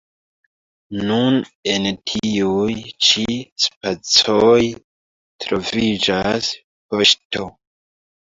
Nun en tiuj ĉi spacoj troviĝas poŝto.